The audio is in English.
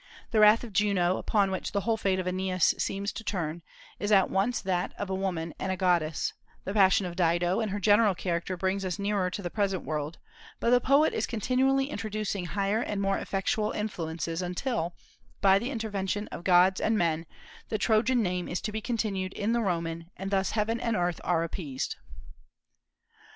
The wrath of Juno, upon which the whole fate of Aeneas seems to turn, is at once that of a woman and a goddess; the passion of Dido and her general character bring us nearer to the present world, but the poet is continually introducing higher and more effectual influences, until, by the intervention of gods and men, the Trojan name is to be continued in the Roman, and thus heaven and earth are appeased."